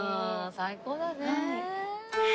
最高だね。